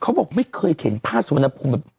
บอกไม่เคยเห็นผ้าสุวรรณภูมิแบบ